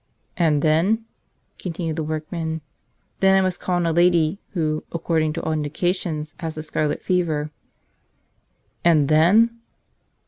"And then?" continued the workman. "Then I must call on a lady who, according to all indications, has the scarlet fever." "And then?"